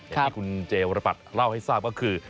อย่างที่คุณเจวรบัตรเล่าให้ทราบก็คือ